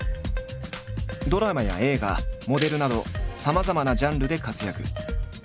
ドラマや映画モデルなどさまざまなジャンルで活躍。